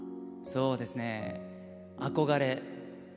そうですねえ